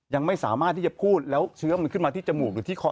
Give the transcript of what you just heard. ยังไม่สามารถที่จะพูดแล้วเชื้อมันขึ้นมาที่จมูกหรือที่คอ